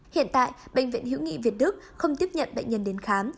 hiện tại bệnh viện hữu nghị việt đức không tiếp nhận bệnh nhân đến khám